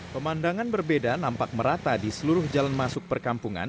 pemandangan berbeda nampak merata di seluruh jalan masuk perkampungan